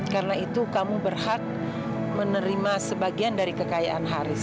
karena itu kamu berhak menerima sebagian dari kekayaan haris